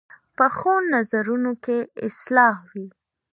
پخو نظرونو کې اصلاح وي